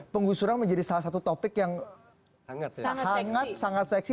penggusuran menjadi salah satu topik yang sangat seksi